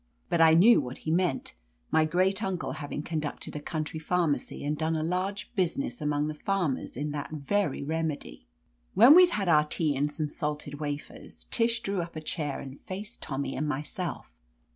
But I knew what he meant, my great uncle having conducted a country pharmacy and done a large business among the farmers in that very remedy. When we'd had our tea and some salted wafers, Tish drew up a chair and faced Tommy and myself.